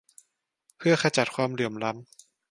เพื่อขจัดความเหลื่อมล้ำ